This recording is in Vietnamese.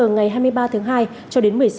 ngày hai mươi ba tháng hai cho đến một mươi h